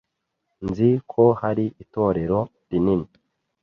Nzi ko hari itorero rinini.